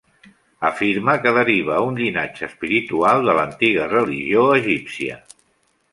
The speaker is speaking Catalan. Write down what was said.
Afirma que deriva un llinatge espiritual de l'antiga religió egípcia.